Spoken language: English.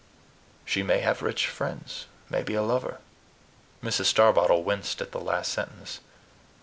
She may have rich friends, maybe a lover." Mrs. Starbottle winced at the last sentence.